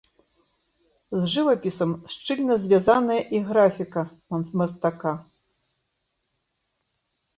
З жывапісам шчыльна звязаная і графіка мастака.